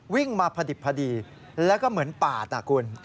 วิ่งมาพอดิบพอดีแล้วก็เหมือนปาดนะคุณ